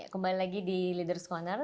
kembali lagi di leaders corner